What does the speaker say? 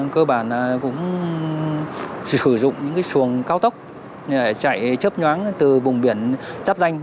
cơ bản là cũng sử dụng những cái xuồng cao tốc để chạy chấp nhoáng từ vùng biển chắp danh